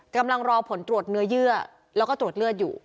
กำลังรอผลตรวจเนื้อเยื่อแล้วก็ตรวจเลือดอยู่